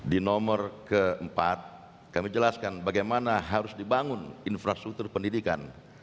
di nomor keempat kami jelaskan bagaimana harus dibangun infrastruktur pendidikan